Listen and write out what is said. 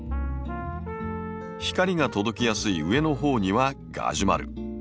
光が届きやすい上のほうにはガジュマル。